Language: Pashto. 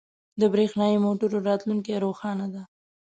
• د برېښنايی موټرو راتلونکې روښانه ده.